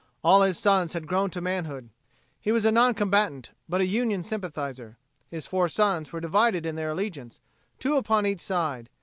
All his sons had grown to manhood. He was a non combatant, but a Union sympathizer. His four sons were divided in their allegiance two upon each side.